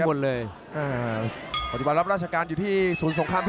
อื้อหือจังหวะขวางแล้วพยายามจะเล่นงานด้วยซอกแต่วงใน